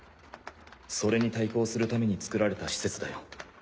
それに対抗するために作られた施設だよ。